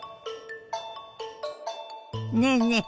ねえねえ